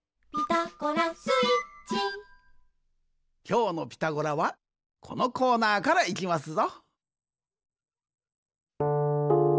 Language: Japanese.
きょうの「ピタゴラ」はこのコーナーからいきますぞ。